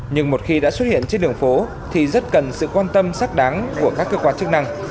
nhưng một khi đã xuất hiện trên đường phố thì rất cần sự quan tâm xác đáng của các cơ quan chức năng